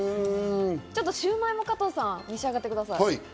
シューマイも加藤さん、召し上がってください。